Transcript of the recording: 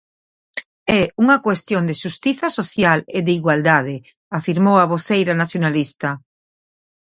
É unha cuestión de xustiza social e de igualdade, afirmou a voceira nacionalista.